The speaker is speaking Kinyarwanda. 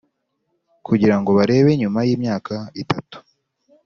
kugira ngo barebe nyuma y’imyaka itatu